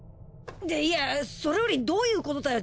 いやそれよりどういうことだよ